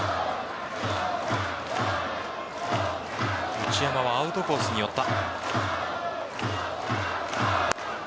内山はアウトコースに寄った。